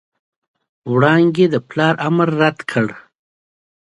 وړانګې د پلار امر رد کړ.